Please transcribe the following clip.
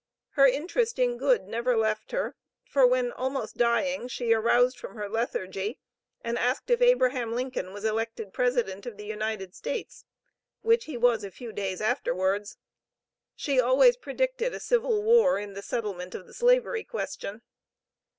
Her interest in good, never left her, for when almost dying, she aroused from her lethargy and asked if Abraham Lincoln was elected president of the United States, which he was a few days afterwards. She always predicted a civil war, in the settlement of the Slavery question.